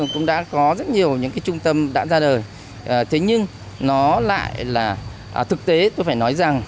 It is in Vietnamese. cũng đã có rất nhiều những cái trung tâm đã ra đời thế nhưng nó lại là thực tế tôi phải nói rằng